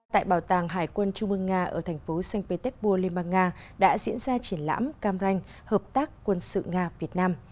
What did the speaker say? tại bảo tàng hải quân trung ương nga ở thành phố sankt petersburg liên bang nga đã diễn ra triển lãm cam ranh hợp tác quân sự nga việt nam